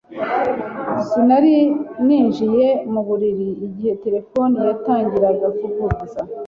Sinari ninjiye mu buriri igihe terefone yatangiraga kuvuza